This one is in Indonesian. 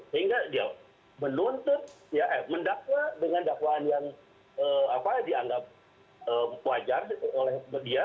sehingga dia menuntut mendakwa dengan dakwaan yang dianggap wajar oleh dia